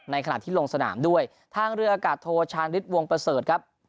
ขณะที่ลงสนามด้วยทางเรืออากาศโทชานฤทธิวงประเสริฐครับ